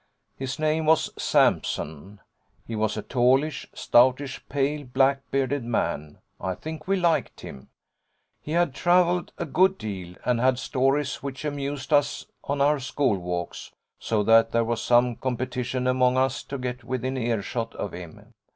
His name was Sampson. He was a tallish, stoutish, pale, black bearded man. I think we liked him: he had travelled a good deal, and had stories which amused us on our school walks, so that there was some competition among us to get within earshot of him.